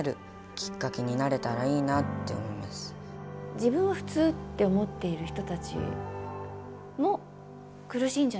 自分は普通って思っている人たちも苦しいんじゃないか。